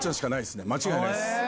間違いないです。